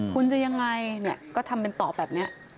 คุณจะยังไงก็ทำเป็นตอบแบบนี้